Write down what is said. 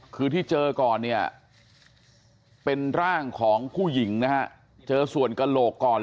คือที่เจอก่อนเนี่ยเป็นร่างของผู้หญิงนะฮะเจอส่วนกระโหลกก่อน